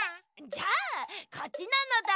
じゃあこっちなのだ。